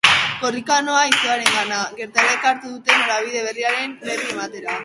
Korrika noa izebarengana, gertaerek hartu duten norabide berriaren berri ematera.